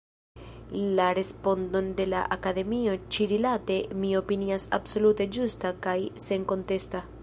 La respondon de la Akademio ĉi-rilate mi opinias absolute ĝusta kaj senkontesta.